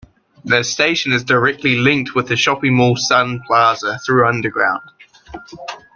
The station is directly linked with the Shopping Mall Sun Plaza through underground.